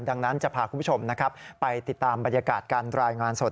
ดังนั้นจะพาคุณผู้ชมนะครับไปติดตามบรรยากาศการรายงานสด